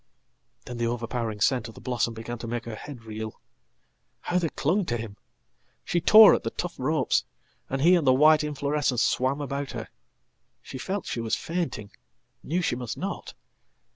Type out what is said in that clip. Then the overpowering scent of the blossom began to make her head reel. How they clung to him! She tore at the tough ropes, and he and the whiteinflorescence swam about her. She felt she was fainting, knew she mustnot.